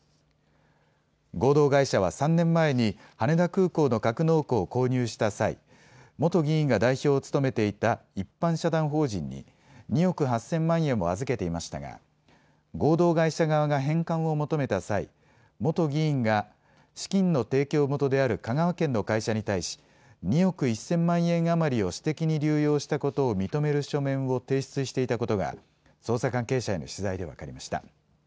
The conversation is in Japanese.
合同会社は３年前に羽田空港の格納庫を購入した際、元議員が代表を務めていた一般社団法人に２億８０００万円を預けていましたが合同会社側が返還を求めた際、元議員が資金の提供元である香川県の会社に対し２億１０００万円余りを私的に流用したことを認める書面を提出していたことが捜査関係者への取材で分かりました。